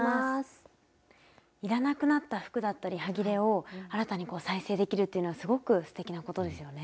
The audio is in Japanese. いらなくなった服だったりはぎれを新たに再生できるっていうのはすごくすてきなことですよね。